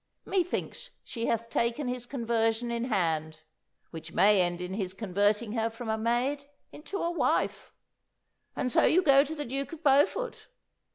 Methinks she hath taken his conversion in hand, which may end in his converting her from a maid into a wife. And so you go to the Duke of Beaufort!